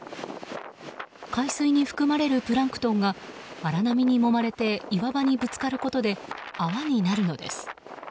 海水に含まれるプランクトンが荒波にもまれて岩場にぶつかることで泡になるのです。